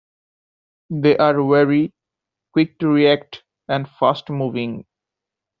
They are wary, quick to react, and fast-moving.